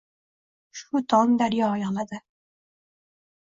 Shu tong daryo yig’ladi